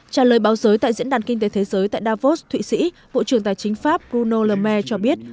trả lời báo giới tại diễn đàn kinh tế thế giới tại davos thụy sĩ bộ trưởng tài chính pháp bruno le maire cho biết